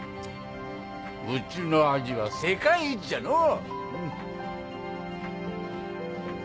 うちのアジは世界一じゃのう！